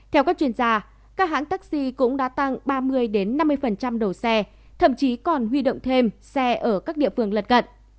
theo các chuyên gia các hãng taxi cũng đã tăng ba mươi năm mươi đầu xe thậm chí còn huy động thêm xe ở các địa phương lật cận